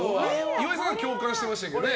岩井さんは共感してましたけど。